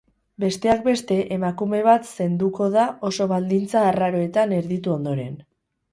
Besteak beste, emakume bat zenduko da oso baldintza arraroetan erditu ondoren.